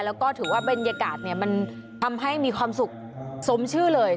แล้วก็ถือว่าบรรยากาศมันทำให้มีความสุขสมชื่อเลย